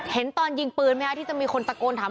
เห็นตอนยิงปืนไหมคะที่จะมีคนตะโกนถาม